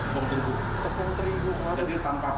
terima kasih pak